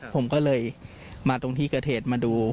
ผมก็เลยมาตรงที่กระเทศมาดู